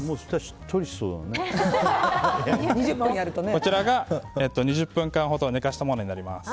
こちらが２０分間ほど寝かせたものになります。